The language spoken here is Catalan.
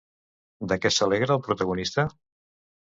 De què s'alegra el protagonista?